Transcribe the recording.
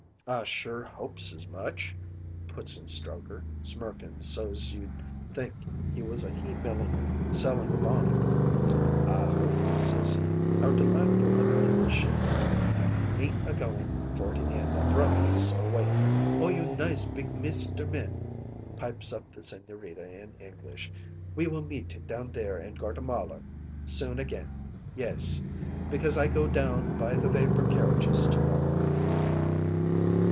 "'I sure hopes as much,' puts in Strokher, smirkin' so's you'd think he was a he milliner sellin' a bonnet. 'I hope,' says he, 'our delightful acquaintanceship ain't a goin' for to end abrupt this a way.' "'Oh, you nice, big Mister Men,' pipes up the Sigñorita in English, 'we will meet down there in Gortamalar soon again, yes, because I go down by the vapour carriages to morrow.'